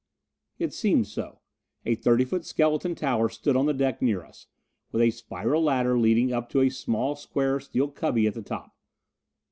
It seemed so. A thirty foot skeleton tower stood on the deck near us, with a spiral ladder leading up to a small square steel cubby at the top.